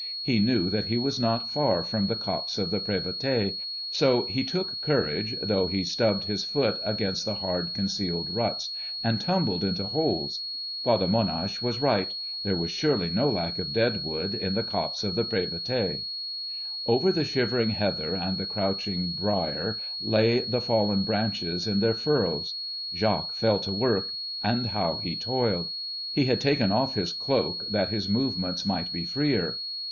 He knew that he was not far from the copse of the Prévoté, so he took courage, though he stubbed his foot against the hard, concealed ruts, and tumbled into holes. Father Monhache was right; there was surely no lack of dead wood at the copse of the Prévoté. Over the shivering heather and the crouching brier, lay the fallen branches in their furrows. Jacques fell to work; and how he toiled! He had taken off his cloak, that his movements might be freer.